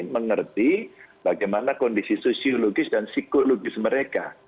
mengerti bagaimana kondisi sosiologis dan psikologis mereka